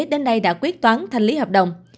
đến nay đã quyết toán thanh lý hợp đồng